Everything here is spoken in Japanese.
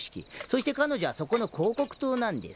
そして彼女はそこの広告塔なんです。